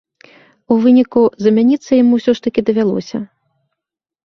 У выніку, замяніцца яму ўсё ж такі давялося.